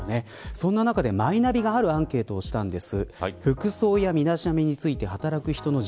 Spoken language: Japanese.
そんな中で、マイナビがあるアンケートをしたんです。